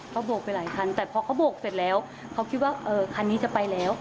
เขาโบกไปหลายคันแต่พอเขาโบกเสร็จแล้วเขาคิดว่าคันนี้จะไปแล้ว